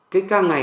cái ca ngày